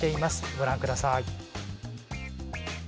ご覧ください。